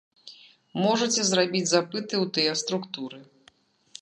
Можаце зрабіць запыты ў тыя структуры.